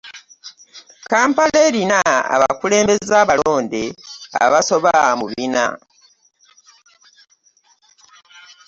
Kampala erina abakulembeze abalonde abasoba mu bina.